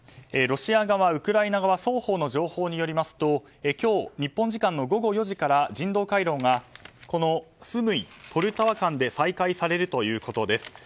ロシア側、ウクライナ側双方の情報によりますと今日、日本時間の午後４時から人道回廊がスムイ、ポルタワ間で再開されるということです。